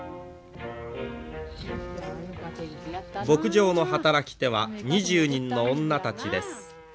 牧場の働き手は２０人の女たちです。